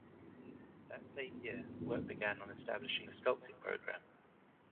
That same year, work began on establishing a Sculpting Program.